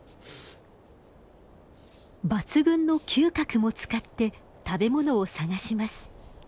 抜群の嗅覚も使って食べ物を探します。